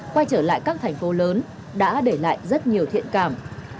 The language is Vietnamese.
quay trở lại các thành phố lớn đã để lại rất nhiều thiện cảm